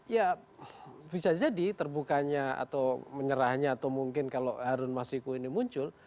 ya bisa jadi terbukanya atau menyerahnya atau mungkin kalau harun masiku ini muncul